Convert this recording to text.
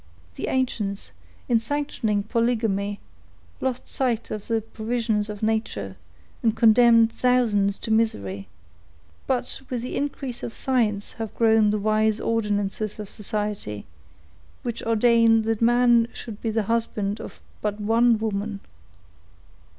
The ancients, in sanctioning polygamy, lost sight of the provisions of nature, and condemned thousands to misery; but with the increase of science have grown the wise ordinances of society, which ordain that man should be the husband of but one woman."